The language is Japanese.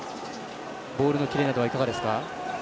ボールのキレなどはいかがですか。